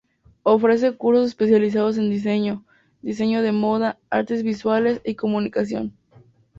Ofrece cursos especializados en diseño, diseño de moda, artes visuales y comunicación.